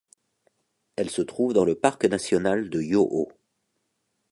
Elles se trouvent dans le parc national de Yoho.